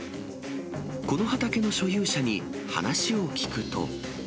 この畑の所有者に話を聞くと。